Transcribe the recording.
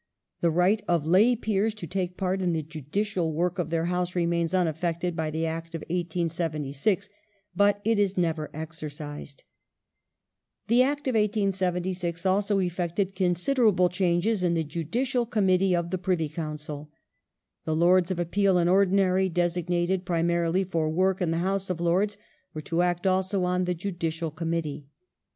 ^ The right of lay Peers to take part in the judicial work of their House remains unaffected by the Act of 1876, but it is never exercised.^ The Act of 1876 also effected considerable changes in the The Judicial Committee of the Privy Council.^ The Lords of Appeal com ^^ in Ordinary, designated primarily for work in the House of Lords, mittee were to act also on the Judicial Committee.